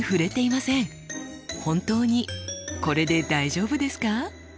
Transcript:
本当にこれで大丈夫ですか？